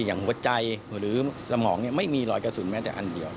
อย่างหัวใจหรือสมองไม่มีรอยกระสุนแม้แต่อันเดียว